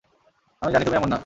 আমি জানি তুমি এমন না!